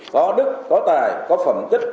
có đức có tài có phẩm tích